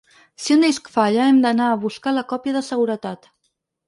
Si un disc falla, hem d’anar a buscar la còpia de seguretat.